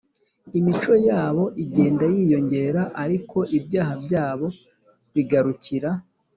imico yabo igenda yiyongera, ariko ibyaha byabo bigarukira;